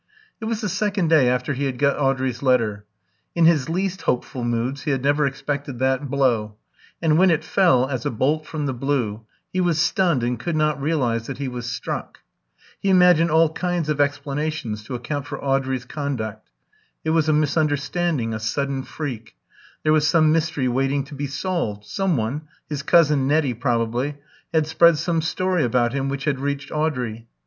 It was the second day after he had got Audrey's letter. In his least hopeful moods he had never expected that blow; and when it fell, as a bolt from the blue, he was stunned and could not realise that he was struck. He imagined all kinds of explanations to account for Audrey's conduct. It was a misunderstanding, a sudden freak; there was some mystery waiting to be solved; some one his cousin Nettie probably had spread some story about him which had reached Audrey.